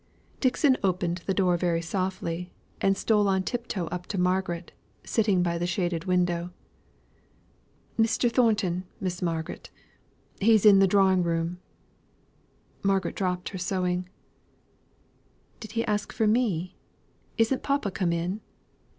Dixon opened the door very softly, and stole on tiptoe up to Margaret, sitting by the shaded window. "Mr. Thornton, Miss Margaret. He is in the drawing room." Margaret dropped her sewing. "Did he ask for me? Isn't papa come in?"